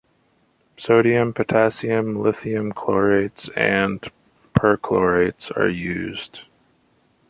Sodium, potassium, and lithium chlorates and perchlorates are used.